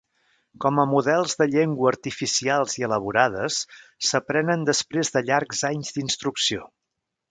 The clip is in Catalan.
Com a models de llengua artificials i elaborades, s'aprenen després de llargs anys d'instrucció.